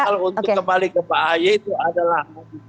jadi saya kira untuk kembali ke pak ahy itu adalah